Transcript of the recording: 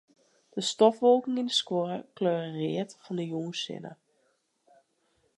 De stofwolken yn 'e skuorre kleuren read fan de jûnssinne.